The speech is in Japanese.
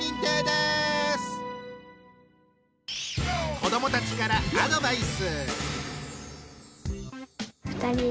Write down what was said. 子どもたちからアドバイス。